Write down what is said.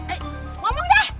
eh ngomong dah